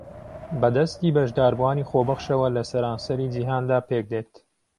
بە دەستی بەشداربووانی خۆبەخشەوە لە سەرانسەری جیھاندا پێکدێت